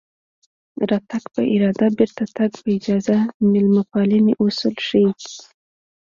راتګ په اراده بېرته تګ په اجازه د مېلمه پالنې اصول ښيي